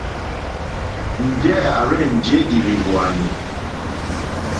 Njɛ̂ à rzênjé ìlìhwòànì.